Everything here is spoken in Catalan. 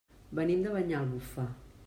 Venim de Banyalbufar.